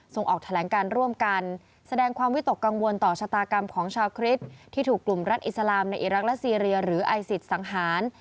ออกแถลงการร่วมกันแสดงความวิตกกังวลต่อชะตากรรมของชาวคริสต์ที่ถูกกลุ่มรัฐอิสลามในอิรักและซีเรียหรือไอซิสสังหาร